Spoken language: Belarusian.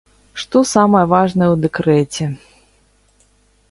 Што самае важнае ў дэкрэце?